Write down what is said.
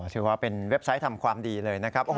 ถือว่าเป็นเว็บไซต์ทำความดีเลยนะครับ